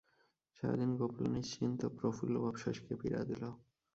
সারাদিন গোপালের নিশ্চিন্ত প্রফুল্লভাব শশীকে পীড়া দিল।